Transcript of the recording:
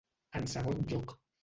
En segon lloc.